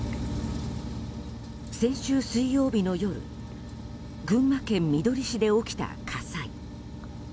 先週水曜日の夜群馬県みどり市で起きた火災。